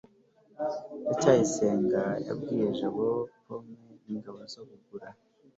ndacyayisenga yabwiye jabo pome zingahe zo kugura